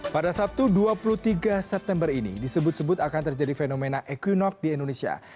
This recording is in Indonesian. pada sabtu dua puluh tiga september ini disebut sebut akan terjadi fenomena equinox di indonesia